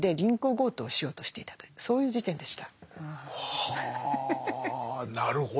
はなるほど。